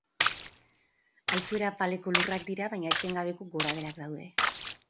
Altuera apaleko lurrak dira baina etengabeko gorabeherak daude.